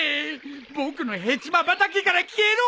僕のヘチマ畑から消えろ！